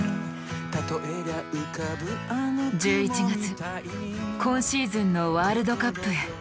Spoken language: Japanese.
１１月今シーズンのワールドカップへ。